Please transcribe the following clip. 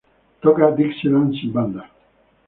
Toca Dixieland sin banda.